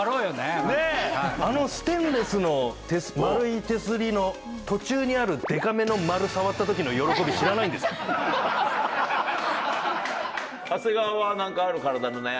あのステンレスの手すり、丸い手すりの途中にあるでかめの丸触ったときの喜び、知らないん長谷川はなんかあるの？